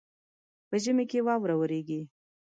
په ژمي کي واوره وريږي.